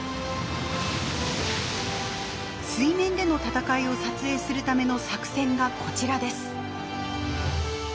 水面での闘いを撮影するための作戦がこちらです。